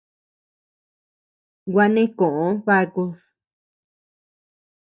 Gua neʼe koʼo bakud.